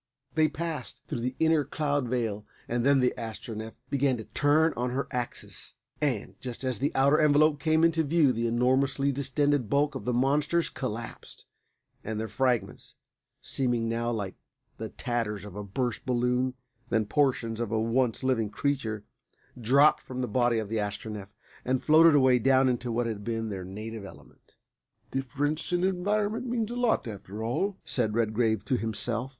They passed through the inner cloud veil, and then the Astronef began to turn on her axis, and, just as the outer envelope came into view the enormously distended bulk of the monsters collapsed, and their fragments, seeming now like the tatters of a burst balloon than portions of a once living creature, dropped from the body of the Astronef, and floated away down into what had been their native element. "Difference of environment means a lot, after all," said Redgrave to himself.